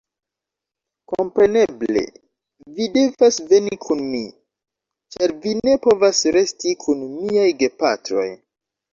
Kompreneble, vi devas veni kun mi, ĉar vi ne povas resti kun miaj gepatroj.